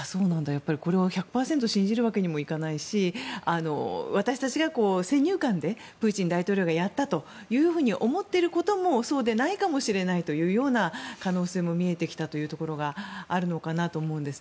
やっぱりこれを１００％信じるわけにもいかないし私たちが先入観でプーチン大統領がやったと思っていることもそうでないかもしれないという可能性も見えてきたというところがあるのかなと思うんです。